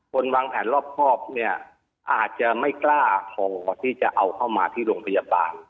วางแผนรอบครอบเนี่ยอาจจะไม่กล้าพอที่จะเอาเข้ามาที่โรงพยาบาล